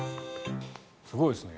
すごいですね。